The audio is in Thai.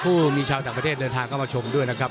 เพื่อเจอเจ้าคนประเทศ์ในที่ได้เดินทางก็มาชมด้วยนะครับ